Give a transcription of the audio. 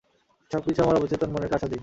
সবকিছু আমার অবচেতন মনের কারসাজি!